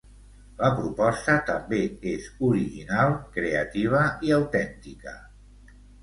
La proposta també és original, creativa i autèntica.